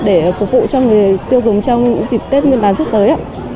để phục vụ cho người tiêu dùng trong dịp tết nguyên đán sắp tới